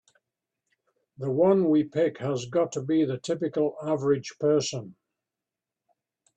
The one we pick has gotta be the typical average person.